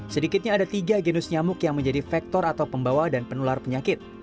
sedikitnya ada tiga genus nyamuk yang menjadi faktor atau pembawa dan penular penyakit